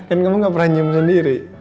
kan kamu gak pernah nyim sendiri